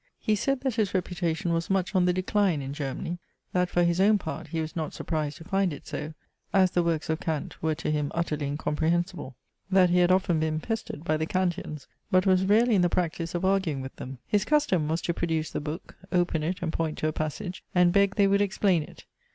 He said that his reputation was much on the decline in Germany. That for his own part he was not surprised to find it so, as the works of Kant were to him utterly incomprehensible that he had often been pestered by the Kanteans; but was rarely in the practice of arguing with them. His custom was to produce the book, open it and point to a passage, and beg they would explain it.